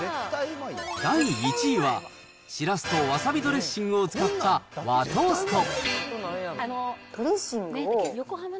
第１位は、しらすとわさびドレッシングを使った和トースト。